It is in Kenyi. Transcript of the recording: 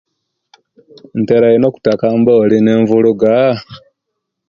Ntera ino okutaka emboli na vuluga